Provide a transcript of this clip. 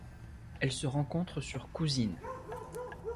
Elle se rencontre sur Cousine.